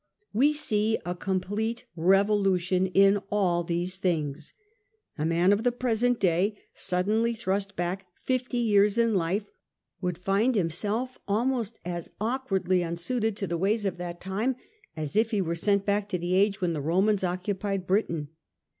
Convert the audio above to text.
We see a complete revolution in all these things. A man of the present day suddenly thrust back fifty years in life, would find himself almost as awkwardly unsuited to the ways of that time as if he were sent back to the age when the Romans occupied Britain.